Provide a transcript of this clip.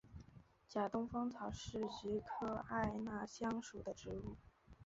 假东风草是菊科艾纳香属的植物。